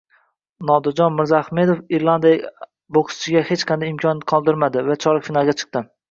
Nodirjon Mirzahmedov irlandiyalik bokschiga hech qanday imkon qoldirmadi va chorak finalga chiqdi